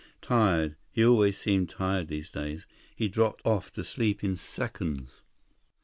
Tired—he always seemed tired these days—he dropped off to sleep in seconds.